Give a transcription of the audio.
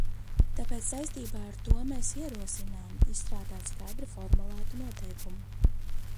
Tāpēc saistībā ar to mēs ierosinām izstrādāt skaidri formulētu noteikumu.